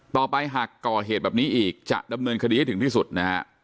ต่อไปหากก่อเหตุแบบนี้อีกจะดำเนินคดีให้ถึงที่สุดนะฮะ